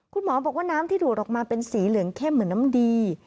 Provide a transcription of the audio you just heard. คุณหมอบอกว่าน้ำที่ดูดออกมาเป็นสีเหลืองเข้มเหมือนน้ำดี